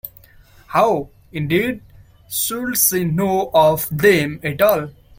How, indeed, should she know of them at all?